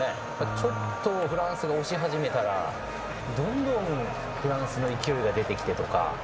ちょっとフランスが押し始めたらどんどんフランスの勢いが出てきてとか。